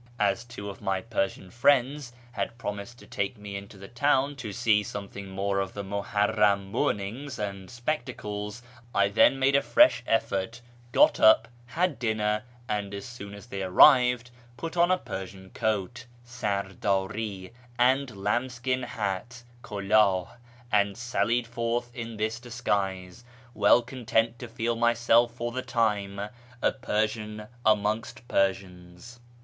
As two of my Persian friends had promised to take me into the town to see some thing more of the Muharram mournings and spectacles, I then made a fresh effort, got up, had dinner, and, as soon as they arrived, put on a Persian coat (sarddri) and lambskin hat {kuldli), and sallied forth in this disguise, well content to feel myself for the time a Persian amongst Persians.